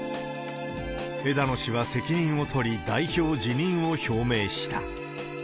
枝野氏は責任を取り、代表辞任を表明した。